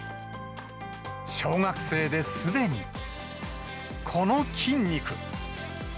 小学生ですでに、この筋肉。